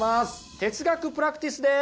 哲学プラクティスです。